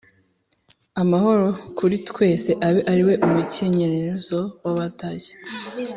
amahoro kuri twese abe ariwo umucyenyero w’abatashya